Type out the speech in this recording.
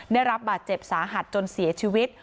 ได้รับบาดเจ็บสาหัสจนเสียชีวิต